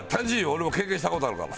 俺も経験した事あるから。